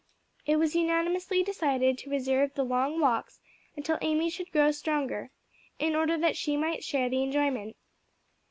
It was unanimously decided to reserve the long walks until Amy should grow stronger, in order that she might share the enjoyment.